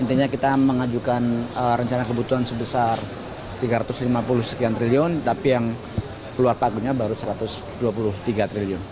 intinya kita mengajukan rencana kebutuhan sebesar rp tiga ratus lima puluh sekian triliun tapi yang keluar pagunya baru satu ratus dua puluh tiga triliun